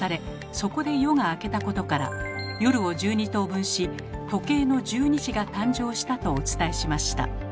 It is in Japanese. そこで夜が明けたことから夜を１２等分し時計の１２時が誕生したとお伝えしました。